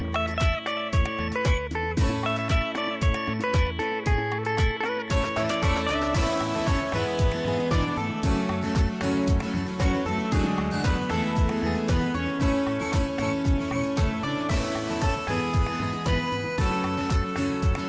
โปรดติดตามตอนต่อไป